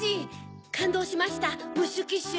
かんどうしましたムッシュ・キッシュ。